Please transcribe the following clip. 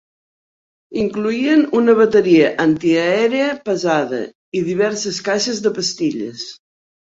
Incloïen una bateria antiaèria pesada i diverses caixes de pastilles.